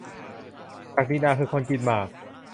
ศักดินาคือคนกินหมาก ?